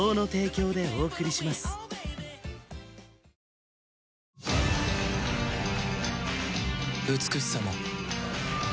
どうぞ美しさも